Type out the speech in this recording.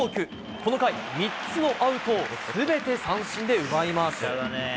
この回３つのアウトを全て三振で奪います。